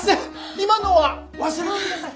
今のは忘れて下さい。